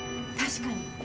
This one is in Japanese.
確かに。